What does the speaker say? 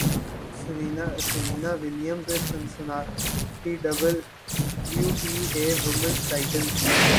Serena Williams نے Cincinnati W T A women's title جیت لیا